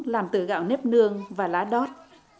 làm từ gạo nếp nương và lá đót